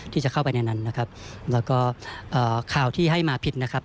ที่จะเข้าไปในนั้นนะครับแล้วก็ข่าวที่ให้มาผิดนะครับ